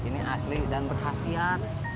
ini asli dan berkhasiat